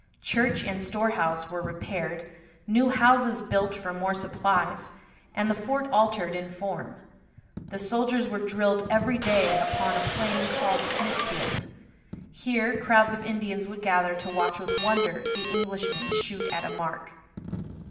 Church and storehouse were repaired, new houses built for more supplies, and the fort altered in form. The soldiers were drilled every day upon a plain called Smithfield. Here crowds of Indians would gather to watch with wonder the Englishmen shoot at a mark.